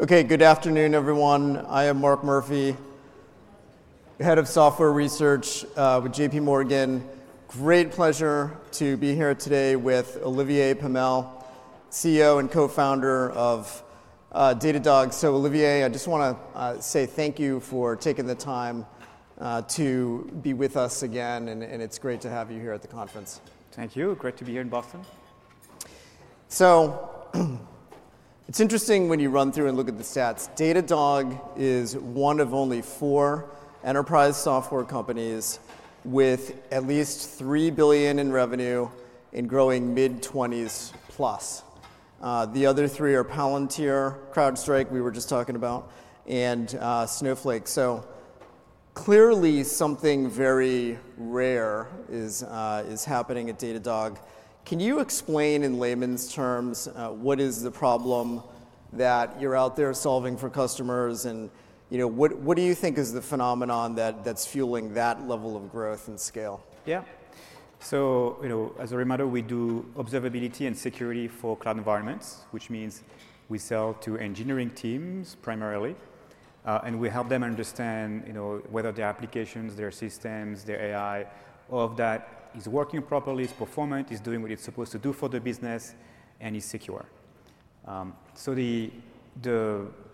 Okay, good afternoon, everyone. I am Mark Murphy, Head of Software Research with J.P. Morgan. Great pleasure to be here today with Olivier Pomel, CEO and co-founder of Datadog. Olivier, I just want to say thank you for taking the time to be with us again, and it's great to have you here at the conference. Thank you. Great to be here in Boston. It's interesting when you run through and look at the stats. Datadog is one of only four enterprise software companies with at least $3 billion in revenue and growing mid-20s plus. The other three are Palantir, CrowdStrike we were just talking about, and Snowflake. Clearly something very rare is happening at Datadog. Can you explain in layman's terms what is the problem that you're out there solving for customers, and what do you think is the phenomenon that's fueling that level of growth and scale? Yeah. As a reminder, we do observability and security for cloud environments, which means we sell to engineering teams primarily, and we help them understand whether their applications, their systems, their AI, all of that is working properly, is performing, is doing what it's supposed to do for the business, and is secure.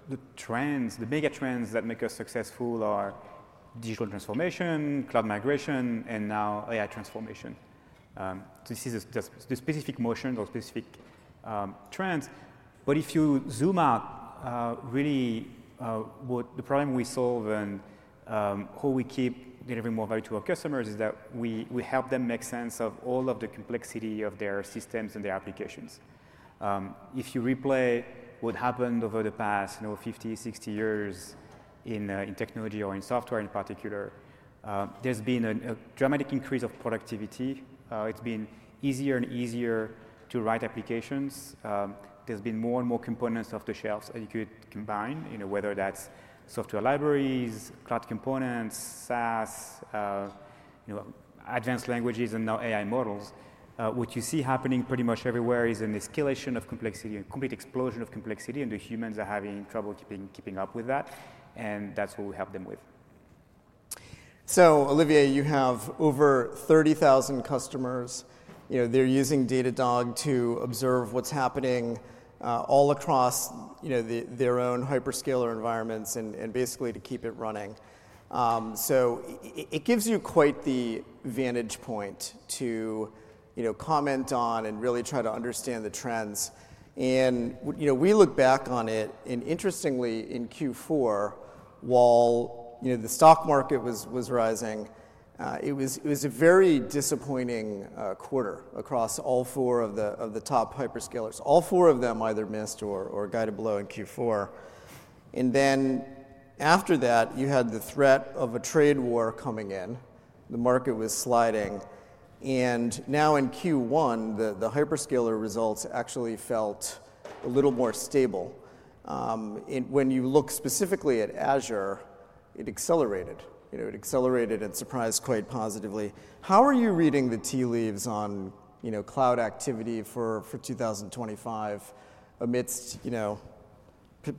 The trends, the mega trends that make us successful are digital transformation, cloud migration, and now AI transformation. This is the specific motion or specific trends. If you zoom out, really, the problem we solve and how we keep delivering more value to our customers is that we help them make sense of all of the complexity of their systems and their applications. If you replay what happened over the past 50, 60 years in technology or in software in particular, there's been a dramatic increase of productivity. It's been easier and easier to write applications. There's been more and more components off the shelves that you could combine, whether that's software libraries, cloud components, SaaS, advanced languages, and now AI models. What you see happening pretty much everywhere is an escalation of complexity, a complete explosion of complexity, and the humans are having trouble keeping up with that, and that's what we help them with. Olivier, you have over 30,000 customers. They are using Datadog to observe what is happening all across their own hyperscaler environments and basically to keep it running. It gives you quite the vantage point to comment on and really try to understand the trends. We look back on it, and interestingly, in Q4, while the stock market was rising, it was a very disappointing quarter across all four of the top hyperscalers. All four of them either missed or guided below in Q4. After that, you had the threat of a trade war coming in. The market was sliding. Now in Q1, the hyperscaler results actually felt a little more stable. When you look specifically at Azure, it accelerated. It accelerated and surprised quite positively. How are you reading the tea leaves on cloud activity for 2025 amidst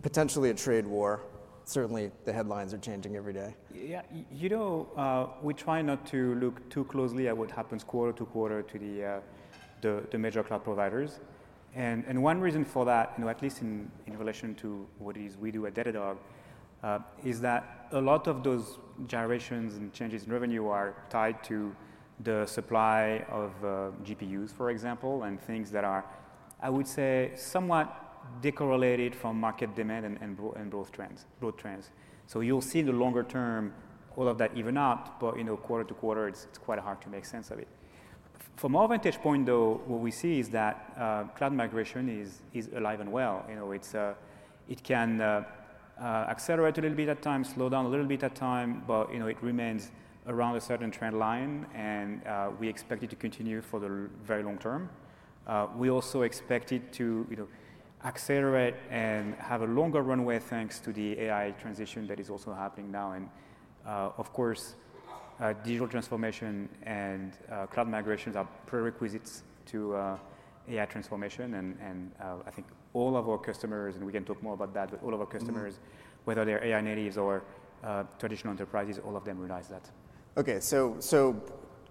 potentially a trade war? Certainly, the headlines are changing every day. Yeah. You know, we try not to look too closely at what happens quarter to quarter to the major cloud providers. One reason for that, at least in relation to what we do at Datadog, is that a lot of those generations and changes in revenue are tied to the supply of GPUs, for example, and things that are, I would say, somewhat decorrelated from market demand and growth trends. You will see in the longer term all of that even out, but quarter to quarter, it is quite hard to make sense of it. From our vantage point, though, what we see is that cloud migration is alive and well. It can accelerate a little bit at times, slow down a little bit at times, but it remains around a certain trend line, and we expect it to continue for the very long term. We also expect it to accelerate and have a longer runway thanks to the AI transition that is also happening now. Digital transformation and cloud migrations are prerequisites to AI transformation. I think all of our customers, and we can talk more about that, but all of our customers, whether they're AI natives or traditional enterprises, all of them realize that. Okay.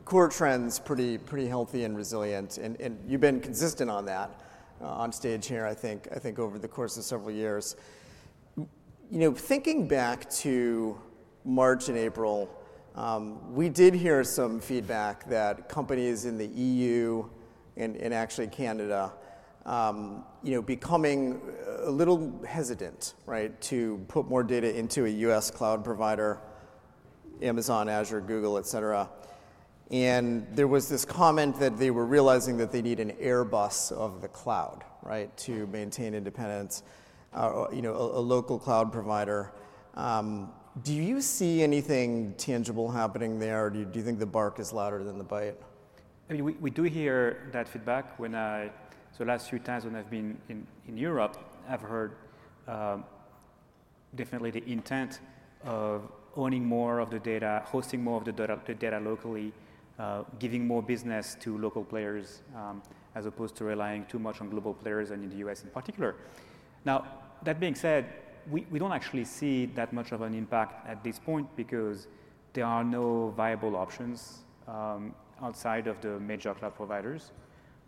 Core trends, pretty healthy and resilient. You've been consistent on that on stage here, I think, over the course of several years. Thinking back to March and April, we did hear some feedback that companies in the EU and actually Canada becoming a little hesitant to put more data into a US cloud provider, Amazon, Azure, Google, et cetera. There was this comment that they were realizing that they need an Airbus of the cloud to maintain independence, a local cloud provider. Do you see anything tangible happening there? Do you think the bark is louder than the bite? I mean, we do hear that feedback. The last few times when I've been in Europe, I've heard definitely the intent of owning more of the data, hosting more of the data locally, giving more business to local players as opposed to relying too much on global players and in the U.S. in particular. That being said, we do not actually see that much of an impact at this point because there are no viable options outside of the major cloud providers.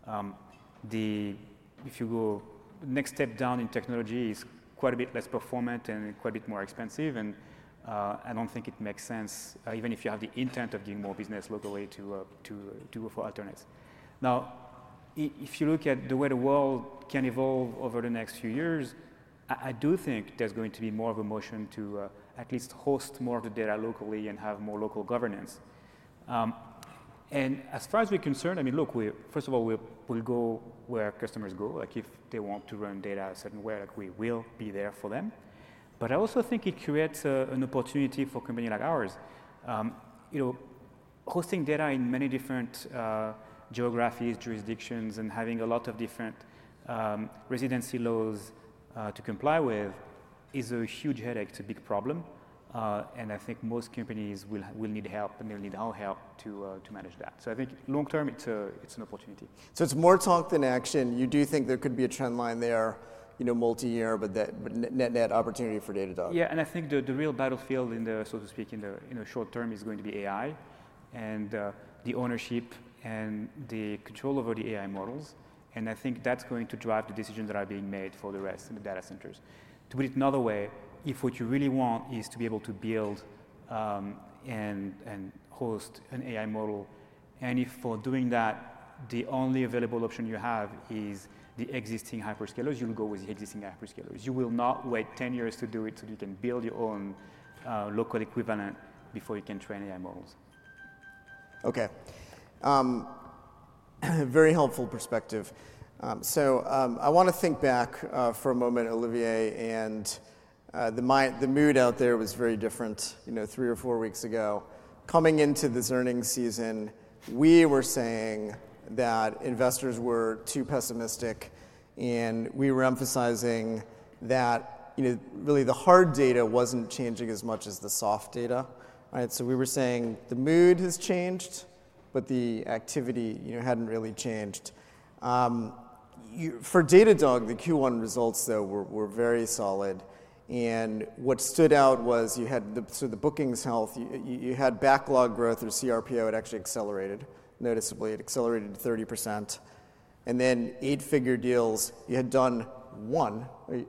If you go the next step down in technology, it is quite a bit less performant and quite a bit more expensive. I do not think it makes sense, even if you have the intent of getting more business locally, to go for alternates. Now, if you look at the way the world can evolve over the next few years, I do think there's going to be more of a motion to at least host more of the data locally and have more local governance. As far as we're concerned, I mean, look, first of all, we'll go where customers go. If they want to run data a certain way, we will be there for them. I also think it creates an opportunity for a company like ours. Hosting data in many different geographies, jurisdictions, and having a lot of different residency laws to comply with is a huge headache, it's a big problem. I think most companies will need help, and they'll need our help to manage that. I think long term, it's an opportunity. It's more talk than action. You do think there could be a trend line there, multi-year, but net-net opportunity for Datadog. Yeah. I think the real battlefield, so to speak, in the short term is going to be AI and the ownership and the control over the AI models. I think that's going to drive the decisions that are being made for the rest of the data centers. To put it another way, if what you really want is to be able to build and host an AI model, and if for doing that, the only available option you have is the existing hyperscalers, you'll go with the existing hyperscalers. You will not wait 10 years to do it so that you can build your own local equivalent before you can train AI models. Okay. Very helpful perspective. I want to think back for a moment, Olivier, and the mood out there was very different three or four weeks ago. Coming into this earnings season, we were saying that investors were too pessimistic, and we were emphasizing that really the hard data was not changing as much as the soft data. We were saying the mood has changed, but the activity had not really changed. For Datadog, the Q1 results, though, were very solid. What stood out was you had the bookings health. You had backlog growth or CRPO, it actually accelerated noticeably. It accelerated to 30%. Then eight-figure deals. You had done one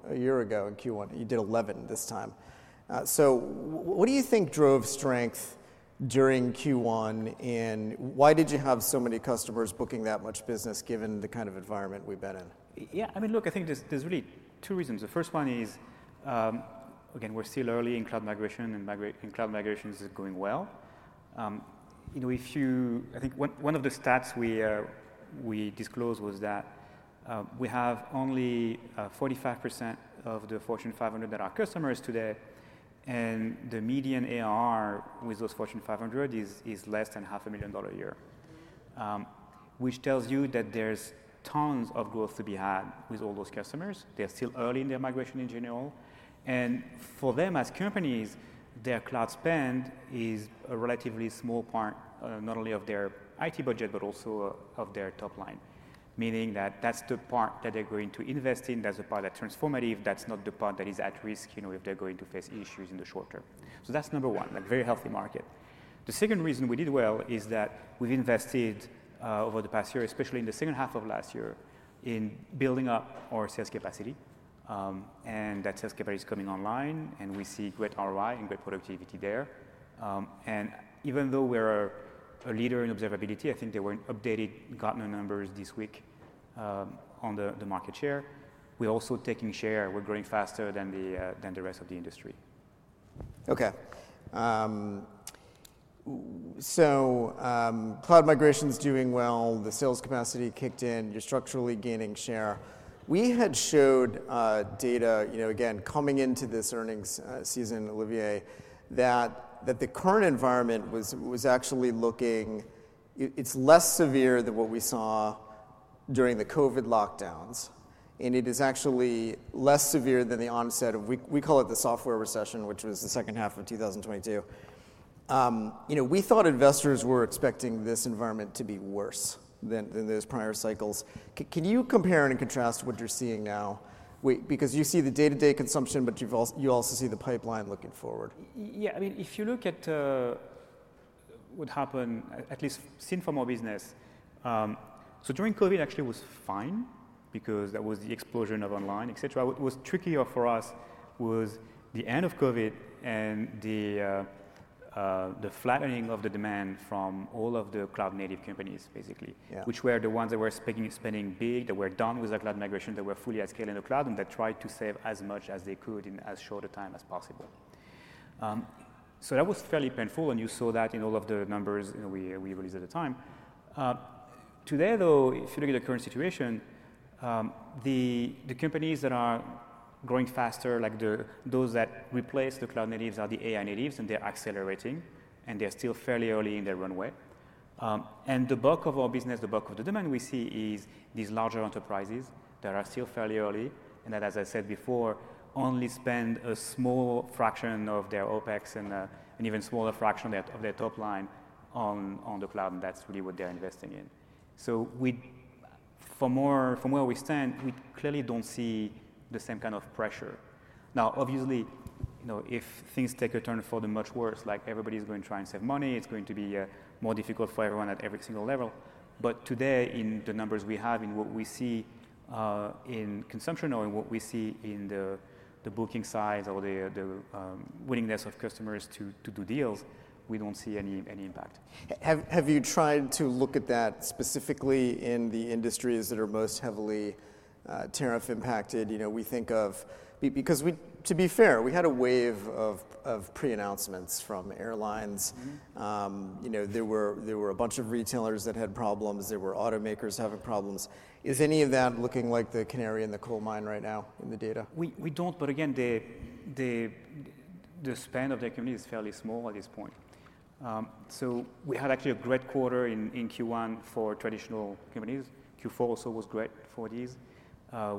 a year ago in Q1. You did 11 this time. What do you think drove strength during Q1, and why did you have so many customers booking that much business given the kind of environment we've been in? Yeah. I mean, look, I think there's really two reasons. The first one is, again, we're still early in cloud migration, and cloud migration is going well. I think one of the stats we disclosed was that we have only 45% of the Fortune 500 that are customers today, and the median ARR with those Fortune 500 is less than $500,000 a year, which tells you that there's tons of growth to be had with all those customers. They're still early in their migration in general. For them as companies, their cloud spend is a relatively small part not only of their IT budget, but also of their top line, meaning that that's the part that they're going to invest in. That's the part that's transformative. That's not the part that is at risk if they're going to face issues in the short term. That's number one, a very healthy market. The second reason we did well is that we've invested over the past year, especially in the second half of last year, in building up our sales capacity. That sales capacity is coming online, and we see great ROI and great productivity there. Even though we're a leader in observability, I think there were updated Gartner numbers this week on the market share. We're also taking share. We're growing faster than the rest of the industry. Okay. Cloud migration's doing well. The sales capacity kicked in. You're structurally gaining share. We had showed data, again, coming into this earnings season, Olivier, that the current environment was actually looking it's less severe than what we saw during the COVID lockdowns, and it is actually less severe than the onset of, we call it the software recession, which was the second half of 2022. We thought investors were expecting this environment to be worse than those prior cycles. Can you compare and contrast what you're seeing now? Because you see the day-to-day consumption, but you also see the pipeline looking forward. Yeah. I mean, if you look at what happened, at least seen from our business, during COVID, actually, it was fine because that was the explosion of online, et cetera. What was trickier for us was the end of COVID and the flattening of the demand from all of the cloud-native companies, basically, which were the ones that were spending big, that were done with the cloud migration, that were fully at scale in the cloud, and that tried to save as much as they could in as short a time as possible. That was fairly painful, and you saw that in all of the numbers we released at the time. Today, though, if you look at the current situation, the companies that are growing faster, like those that replace the cloud natives, are the AI initiatives, and they're accelerating, and they're still fairly early in their runway. The bulk of our business, the bulk of the demand we see is these larger enterprises that are still fairly early and that, as I said before, only spend a small fraction of their OpEx and an even smaller fraction of their top line on the cloud, and that's really what they're investing in. From where we stand, we clearly do not see the same kind of pressure. Obviously, if things take a turn for the much worse, like everybody is going to try and save money, it is going to be more difficult for everyone at every single level. Today, in the numbers we have and what we see in consumption or in what we see in the booking size or the willingness of customers to do deals, we do not see any impact. Have you tried to look at that specifically in the industries that are most heavily tariff impacted? We think of, because to be fair, we had a wave of pre-announcements from airlines. There were a bunch of retailers that had problems. There were automakers having problems. Is any of that looking like the canary in the coal mine right now in the data? We do not, but again, the spend of the company is fairly small at this point. We had actually a great quarter in Q1 for traditional companies. Q4 also was great for these.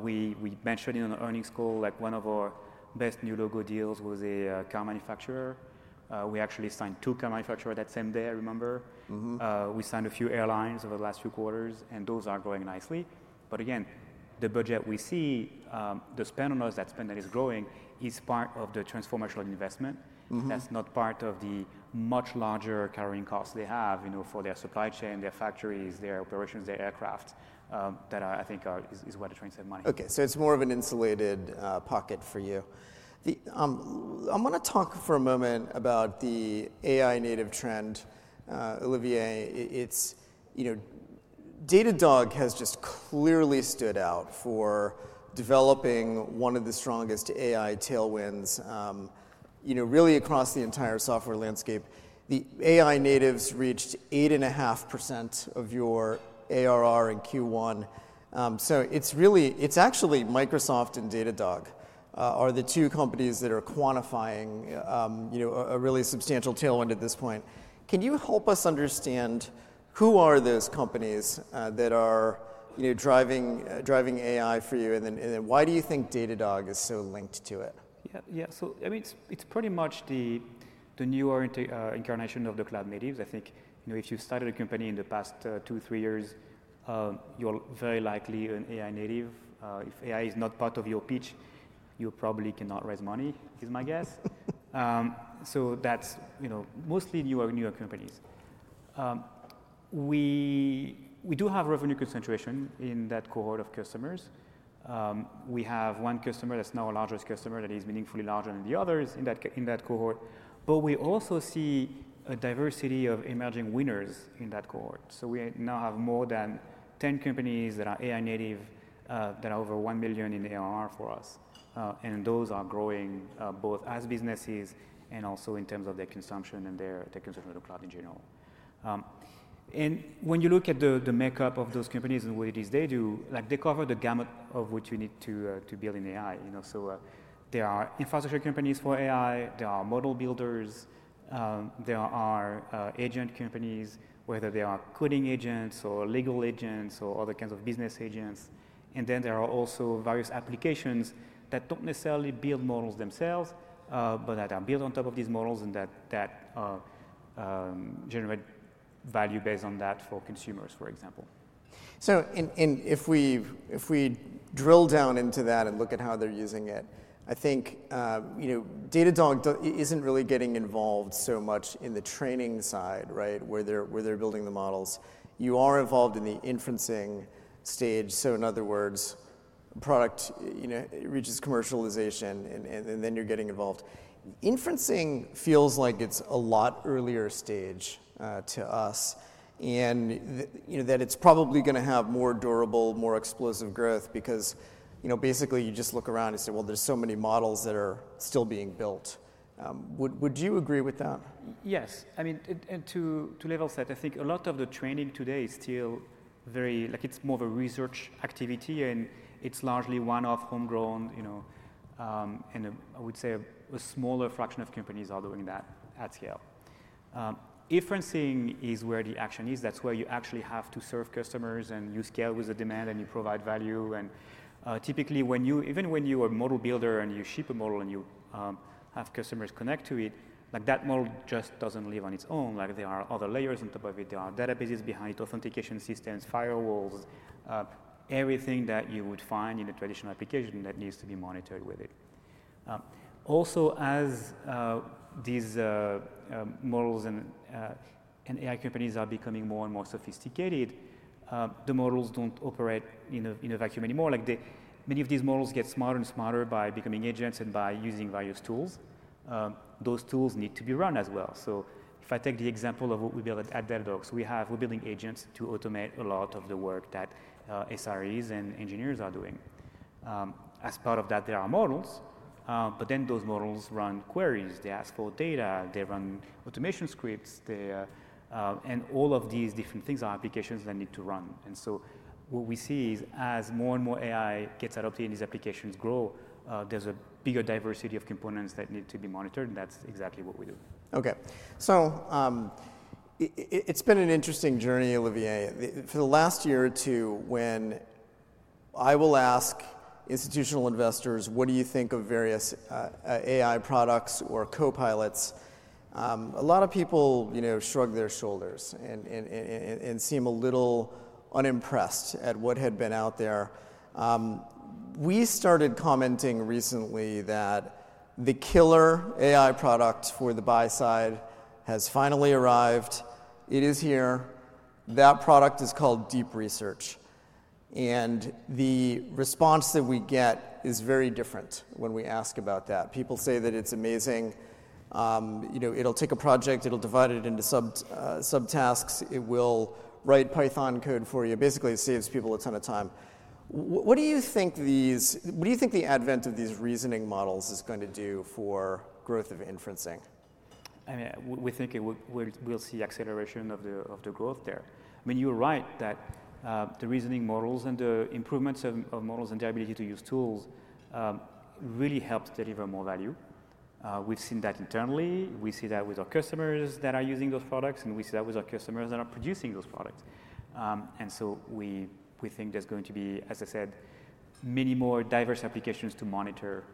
We mentioned in an earnings call, one of our best new logo deals was a car manufacturer. We actually signed two car manufacturers that same day, I remember. We signed a few airlines over the last few quarters, and those are growing nicely. Again, the budget we see, the spend on us, that spend that is growing, is part of the transformational investment. That is not part of the much larger carrying costs they have for their supply chain, their factories, their operations, their aircraft that I think is where they are trying to save money. Okay. So it's more of an insulated pocket for you. I want to talk for a moment about the AI-native trend. Olivier, Datadog has just clearly stood out for developing one of the strongest AI tailwinds really across the entire software landscape. The AI natives reached 8.5% of your ARR in Q1. So it's actually Microsoft and Datadog are the two companies that are quantifying a really substantial tailwind at this point. Can you help us understand who are those companies that are driving AI for you, and then why do you think Datadog is so linked to it? Yeah. I mean, it's pretty much the new incarnation of the cloud natives. I think if you started a company in the past two, three years, you're very likely an AI native. If AI is not part of your pitch, you probably cannot raise money, is my guess. That's mostly newer companies. We do have revenue concentration in that cohort of customers. We have one customer that's now our largest customer that is meaningfully larger than the others in that cohort. We also see a diversity of emerging winners in that cohort. We now have more than 10 companies that are AI native that are over $1 million in ARR for us. Those are growing both as businesses and also in terms of their consumption and their consumption of the cloud in general. When you look at the makeup of those companies and what it is they do, they cover the gamut of what you need to build in AI. There are infrastructure companies for AI. There are model builders. There are agent companies, whether they are coding agents or legal agents or other kinds of business agents. There are also various applications that do not necessarily build models themselves, but that are built on top of these models and that generate value based on that for consumers, for example. If we drill down into that and look at how they're using it, I think Datadog isn't really getting involved so much in the training side, right, where they're building the models. You are involved in the inferencing stage. In other words, product reaches commercialization, and then you're getting involved. Inferencing feels like it's a lot earlier stage to us and that it's probably going to have more durable, more explosive growth because basically you just look around and say, well, there's so many models that are still being built. Would you agree with that? Yes. I mean, to level set, I think a lot of the training today is still very like it's more of a research activity, and it's largely one-off homegrown. I would say a smaller fraction of companies are doing that at scale. Inferencing is where the action is. That's where you actually have to serve customers and you scale with the demand and you provide value. Typically, even when you are a model builder and you ship a model and you have customers connect to it, that model just doesn't live on its own. There are other layers on top of it. There are databases behind it, authentication systems, firewalls, everything that you would find in a traditional application that needs to be monitored with it. Also, as these models and AI companies are becoming more and more sophisticated, the models don't operate in a vacuum anymore. Many of these models get smarter and smarter by becoming agents and by using various tools. Those tools need to be run as well. If I take the example of what we built at Datadog, we're building agents to automate a lot of the work that SREs and engineers are doing. As part of that, there are models, but then those models run queries. They ask for data. They run automation scripts. All of these different things are applications that need to run. What we see is as more and more AI gets adopted and these applications grow, there's a bigger diversity of components that need to be monitored, and that's exactly what we do. Okay. It has been an interesting journey, Olivier. For the last year or two, when I will ask institutional investors, what do you think of various AI products or copilots, a lot of people shrug their shoulders and seem a little unimpressed at what had been out there. We started commenting recently that the killer AI product for the buy side has finally arrived. It is here. That product is called Deep Research. The response that we get is very different when we ask about that. People say that it is amazing. It will take a project. It will divide it into subtasks. It will write Python code for you. Basically, it saves people a ton of time. What do you think the advent of these reasoning models is going to do for growth of inferencing? I mean, we think we'll see acceleration of the growth there. I mean, you're right that the reasoning models and the improvements of models and their ability to use tools really helps deliver more value. We've seen that internally. We see that with our customers that are using those products, and we see that with our customers that are producing those products. We think there's going to be, as I said, many more diverse applications to monitor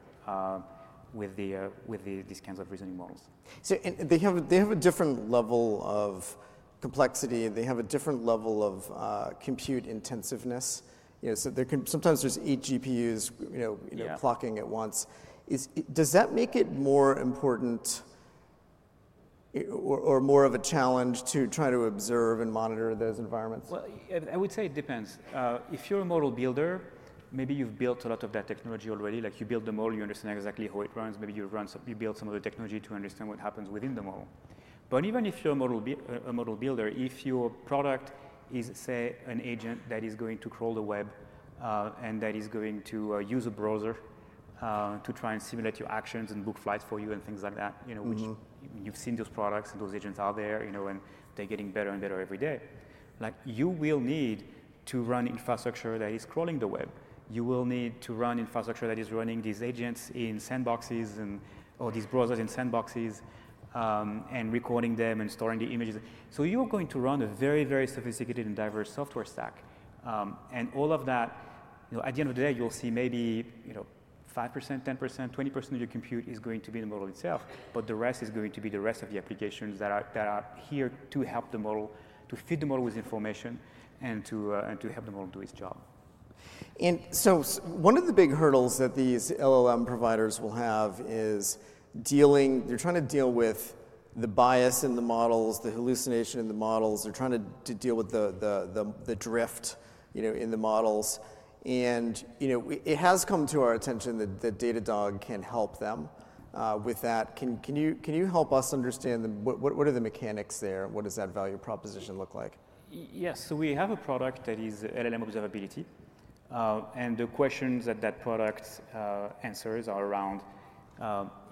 with these kinds of reasoning models. They have a different level of complexity. They have a different level of compute intensiveness. Sometimes there's eight GPUs clocking at once. Does that make it more important or more of a challenge to try to observe and monitor those environments? I would say it depends. If you're a model builder, maybe you've built a lot of that technology already. Like you build the model, you understand exactly how it runs. Maybe you build some other technology to understand what happens within the model. Even if you're a model builder, if your product is, say, an agent that is going to crawl the web and that is going to use a browser to try and simulate your actions and book flights for you and things like that, which you've seen those products and those agents out there, and they're getting better and better every day, you will need to run infrastructure that is crawling the web. You will need to run infrastructure that is running these agents in sandboxes or these browsers in sandboxes and recording them and storing the images. You're going to run a very, very sophisticated and diverse software stack. All of that, at the end of the day, you'll see maybe 5%, 10%, 20% of your compute is going to be the model itself, but the rest is going to be the rest of the applications that are here to help the model, to feed the model with information and to help the model do its job. One of the big hurdles that these LLM providers will have is dealing with the bias in the models, the hallucination in the models. They're trying to deal with the drift in the models. It has come to our attention that Datadog can help them with that. Can you help us understand what are the mechanics there? What does that value proposition look like? Yes. We have a product that is LLM Observability. The questions that that product answers are around,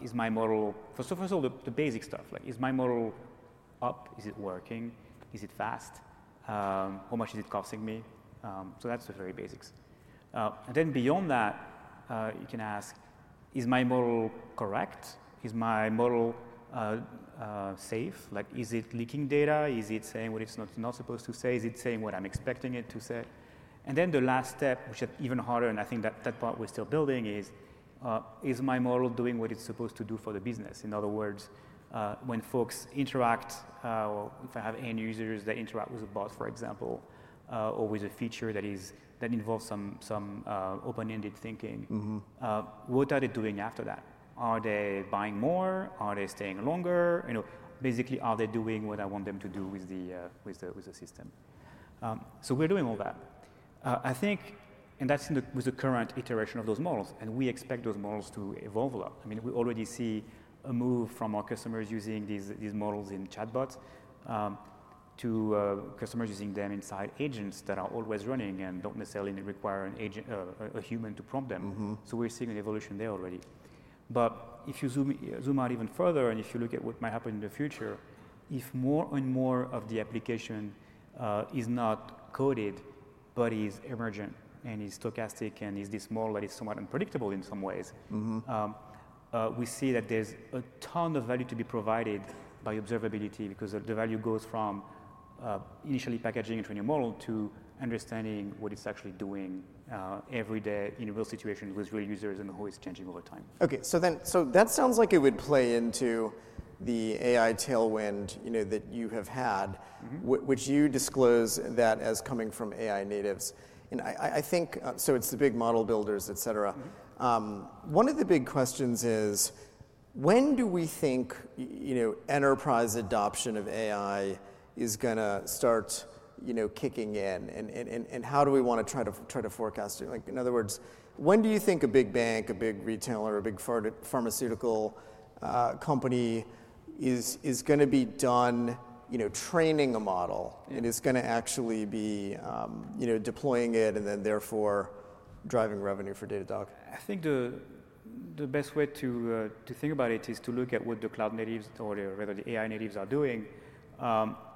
is my model, first of all, the basic stuff. Like, is my model up? Is it working? Is it fast? How much is it costing me? That is the very basics. Beyond that, you can ask, is my model correct? Is my model safe? Like, is it leaking data? Is it saying what it is not supposed to say? Is it saying what I am expecting it to say? The last step, which is even harder, and I think that that part we are still building, is, is my model doing what it is supposed to do for the business? In other words, when folks interact, or if I have end users that interact with a bot, for example, or with a feature that involves some open-ended thinking, what are they doing after that? Are they buying more? Are they staying longer? Basically, are they doing what I want them to do with the system? We are doing all that. I think, and that is with the current iteration of those models, and we expect those models to evolve a lot. I mean, we already see a move from our customers using these models in chatbots to customers using them inside agents that are always running and do not necessarily require a human to prompt them. We are seeing an evolution there already. If you zoom out even further and if you look at what might happen in the future, if more and more of the application is not coded, but is emergent and is stochastic and is this model that is somewhat unpredictable in some ways, we see that there's a ton of value to be provided by observability because the value goes from initially packaging into a new model to understanding what it's actually doing every day in real situations with real users and who is changing over time. Okay. That sounds like it would play into the AI tailwind that you have had, which you disclose as coming from AI natives. I think it is the big model builders, et cetera. One of the big questions is, when do we think enterprise adoption of AI is going to start kicking in? How do we want to try to forecast it? In other words, when do you think a big bank, a big retailer, a big pharmaceutical company is going to be done training a model and is going to actually be deploying it and then therefore driving revenue for Datadog? I think the best way to think about it is to look at what the cloud natives or whether the AI natives are doing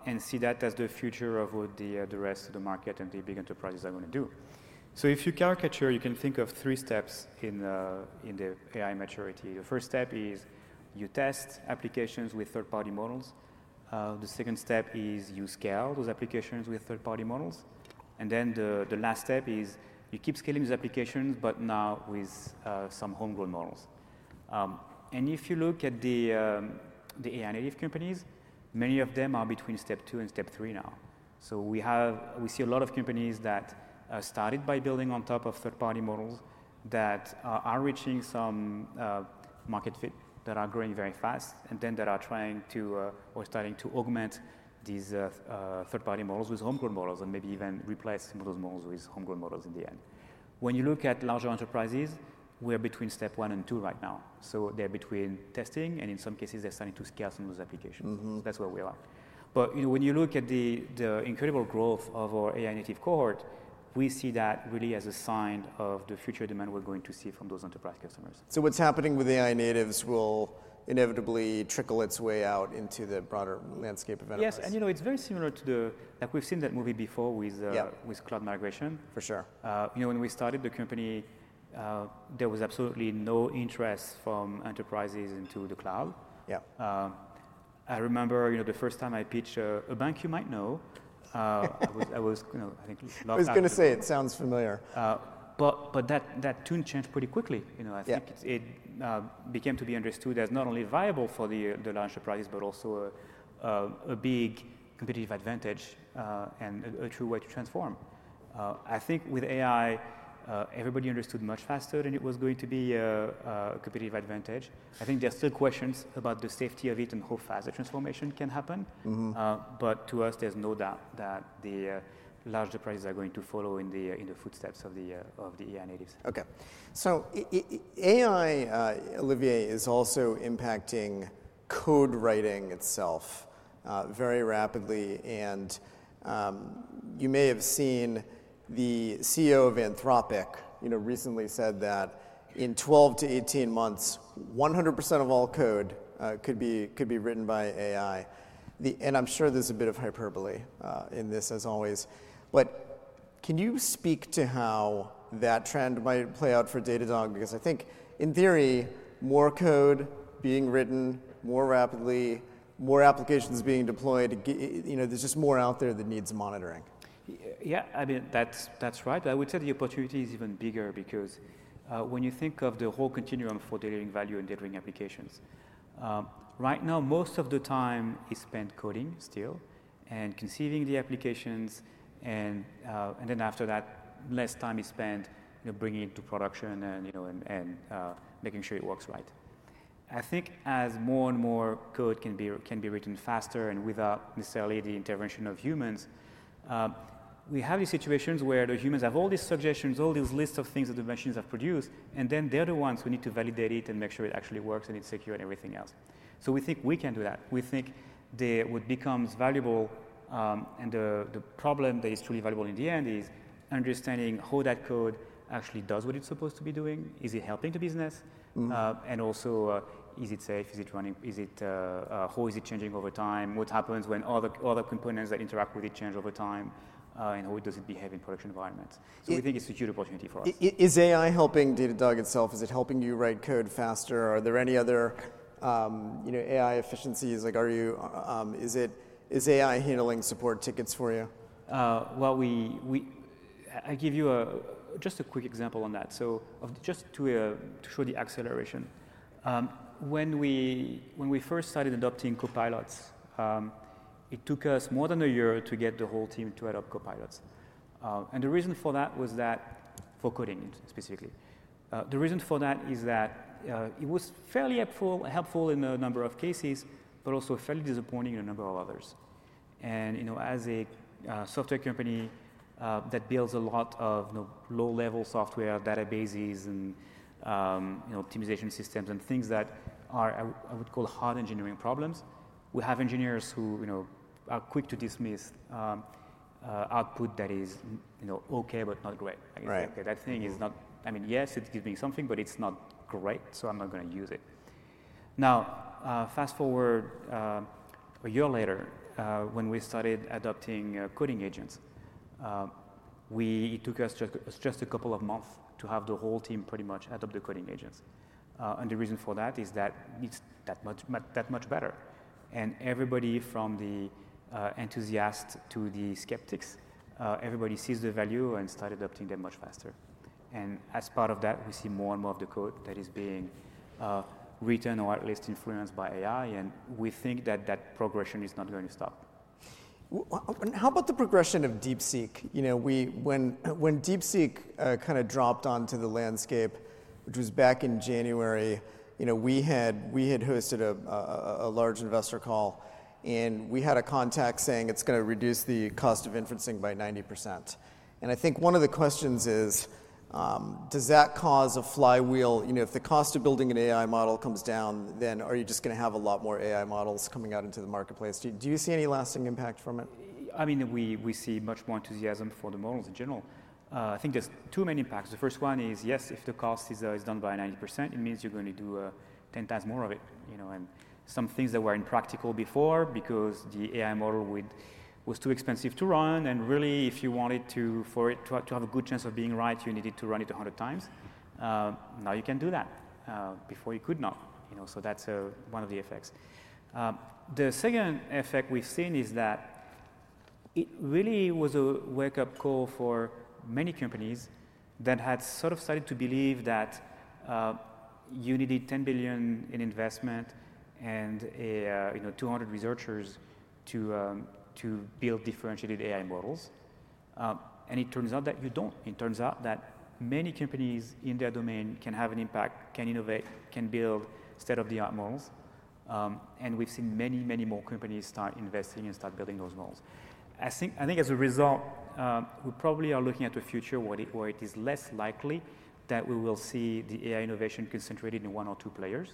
and see that as the future of what the rest of the market and the big enterprises are going to do. If you caricature, you can think of three steps in the AI maturity. The first step is you test applications with third-party models. The second step is you scale those applications with third-party models. The last step is you keep scaling these applications, but now with some homegrown models. If you look at the AI native companies, many of them are between step two and step three now. We see a lot of companies that started by building on top of third-party models that are reaching some market fit, that are growing very fast, and that are trying to or starting to augment these third-party models with homegrown models and maybe even replace some of those models with homegrown models in the end. When you look at larger enterprises, we are between step one and two right now. They are between testing and, in some cases, they are starting to scale some of those applications. That is where we are. When you look at the incredible growth of our AI native cohort, we see that really as a sign of the future demand we are going to see from those enterprise customers. What's happening with AI natives will inevitably trickle its way out into the broader landscape of enterprise. Yes. It's very similar to the like we've seen that movie before with cloud migration. For sure. When we started the company, there was absolutely no interest from enterprises into the cloud. I remember the first time I pitched a bank you might know. I was, I think, a lot faster than you. I was going to say it sounds familiar. That tune changed pretty quickly. I think it became to be understood as not only viable for the larger enterprises, but also a big competitive advantage and a true way to transform. I think with AI, everybody understood much faster that it was going to be a competitive advantage. I think there are still questions about the safety of it and how fast the transformation can happen. To us, there is no doubt that the larger enterprises are going to follow in the footsteps of the AI natives. Okay. AI, Olivier, is also impacting code writing itself very rapidly. You may have seen the CEO of Anthropic recently said that in 12 to 18 months, 100% of all code could be written by AI. I'm sure there's a bit of hyperbole in this, as always. Can you speak to how that trend might play out for Datadog? I think in theory, more code being written more rapidly, more applications being deployed, there's just more out there that needs monitoring. Yeah. I mean, that's right. I would say the opportunity is even bigger because when you think of the whole continuum for delivering value and delivering applications, right now, most of the time is spent coding still and conceiving the applications. After that, less time is spent bringing it to production and making sure it works right. I think as more and more code can be written faster and without necessarily the intervention of humans, we have these situations where the humans have all these suggestions, all these lists of things that the machines have produced, and then they're the ones who need to validate it and make sure it actually works and it's secure and everything else. We think we can do that. We think it would become valuable. The problem that is truly valuable in the end is understanding how that code actually does what it's supposed to be doing. Is it helping the business? Also, is it safe? Is it running? How is it changing over time? What happens when other components that interact with it change over time? How does it behave in production environments? We think it's a huge opportunity for us. Is AI helping Datadog itself? Is it helping you write code faster? Are there any other AI efficiencies? Is AI handling support tickets for you? I'll give you just a quick example on that. Just to show the acceleration, when we first started adopting copilots, it took us more than a year to get the whole team to adopt copilots. The reason for that was that for coding, specifically. The reason for that is that it was fairly helpful in a number of cases, but also fairly disappointing in a number of others. As a software company that builds a lot of low-level software databases and optimization systems and things that are, I would call, hard engineering problems, we have engineers who are quick to dismiss output that is okay, but not great. I mean, that thing is not, I mean, yes, it gives me something, but it's not great. I'm not going to use it. Now, fast forward a year later when we started adopting coding agents, it took us just a couple of months to have the whole team pretty much adopt the coding agents. The reason for that is that it's that much better. Everybody from the enthusiasts to the skeptics, everybody sees the value and started adopting them much faster. As part of that, we see more and more of the code that is being written or at least influenced by AI. We think that that progression is not going to stop. How about the progression of DeepSeek? When DeepSeek kind of dropped onto the landscape, which was back in January, we had hosted a large investor call. We had a contact saying it's going to reduce the cost of inferencing by 90%. I think one of the questions is, does that cause a flywheel? If the cost of building an AI model comes down, then are you just going to have a lot more AI models coming out into the marketplace? Do you see any lasting impact from it? I mean, we see much more enthusiasm for the models in general. I think there's two main impacts. The first one is, yes, if the cost is down by 90%, it means you're going to do 10 times more of it. And some things that were impractical before because the AI model was too expensive to run. And really, if you wanted to have a good chance of being right, you needed to run it 100 times. Now you can do that. Before, you could not. That's one of the effects. The second effect we've seen is that it really was a wake-up call for many companies that had sort of started to believe that you needed $10 billion in investment and 200 researchers to build differentiated AI models. It turns out that you don't. It turns out that many companies in their domain can have an impact, can innovate, can build state-of-the-art models. We have seen many, many more companies start investing and start building those models. I think as a result, we probably are looking at a future where it is less likely that we will see the AI innovation concentrated in one or two players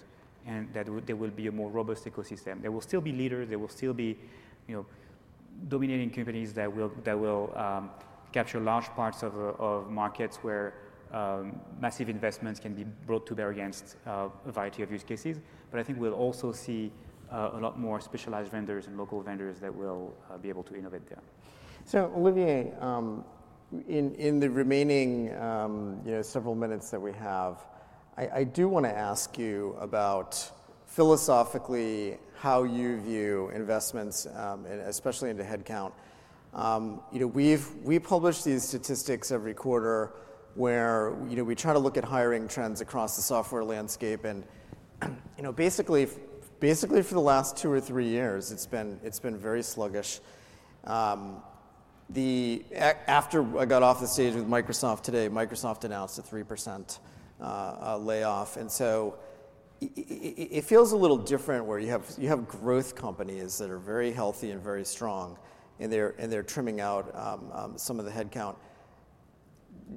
and that there will be a more robust ecosystem. There will still be leaders. There will still be dominating companies that will capture large parts of markets where massive investments can be brought to bear against a variety of use cases. I think we will also see a lot more specialized vendors and local vendors that will be able to innovate there. Olivier, in the remaining several minutes that we have, I do want to ask you about philosophically how you view investments, especially into headcount. We publish these statistics every quarter where we try to look at hiring trends across the software landscape. Basically, for the last two or three years, it's been very sluggish. After I got off the stage with Microsoft today, Microsoft announced a 3% layoff. It feels a little different where you have growth companies that are very healthy and very strong, and they're trimming out some of the headcount.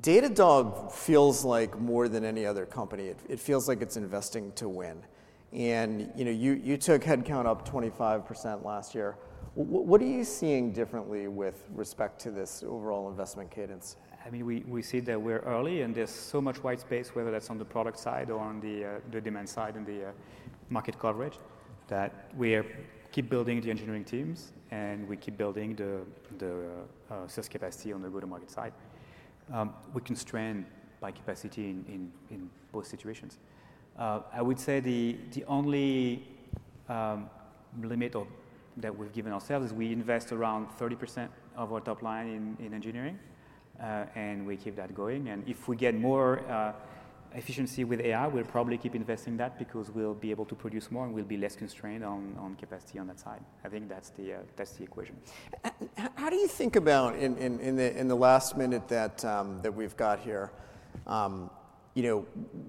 Datadog feels like more than any other company. It feels like it's investing to win. You took headcount up 25% last year. What are you seeing differently with respect to this overall investment cadence? I mean, we see that we're early, and there's so much white space, whether that's on the product side or on the demand side and the market coverage, that we keep building the engineering teams and we keep building the sales capacity on the go-to-market side. We constrain by capacity in both situations. I would say the only limit that we've given ourselves is we invest around 30% of our top line in engineering, and we keep that going. If we get more efficiency with AI, we'll probably keep investing in that because we'll be able to produce more and we'll be less constrained on capacity on that side. I think that's the equation. How do you think about, in the last minute that we've got here,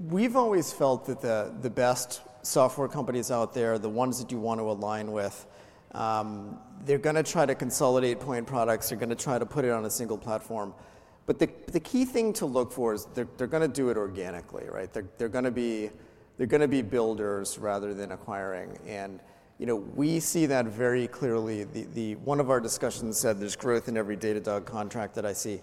we've always felt that the best software companies out there, the ones that you want to align with, they're going to try to consolidate point products. They're going to try to put it on a single platform. The key thing to look for is they're going to do it organically, right? They're going to be builders rather than acquiring. We see that very clearly. One of our discussions said there's growth in every Datadog contract that I see.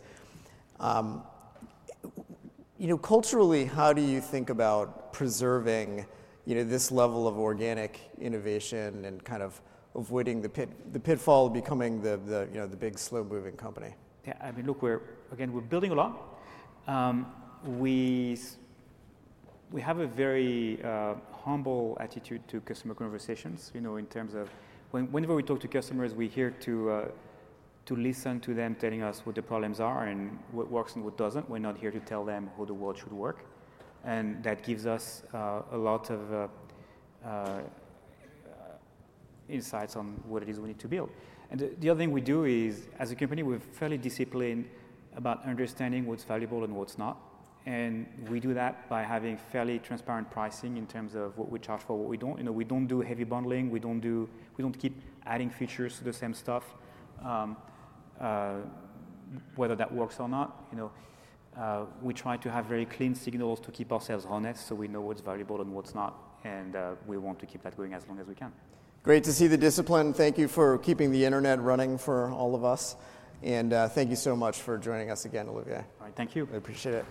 Culturally, how do you think about preserving this level of organic innovation and kind of avoiding the pitfall of becoming the big slow-moving company? Yeah. I mean, look, again, we're building a lot. We have a very humble attitude to customer conversations in terms of whenever we talk to customers, we're here to listen to them telling us what the problems are and what works and what does not. We're not here to tell them how the world should work. That gives us a lot of insights on what it is we need to build. The other thing we do is, as a company, we're fairly disciplined about understanding what's valuable and what's not. We do that by having fairly transparent pricing in terms of what we charge for, what we do not. We do not do heavy bundling. We do not keep adding features to the same stuff, whether that works or not. We try to have very clean signals to keep ourselves honest so we know what's valuable and what's not. We want to keep that going as long as we can. Great to see the discipline. Thank you for keeping the internet running for all of us. Thank you so much for joining us again, Olivier. All right. Thank you. I appreciate it.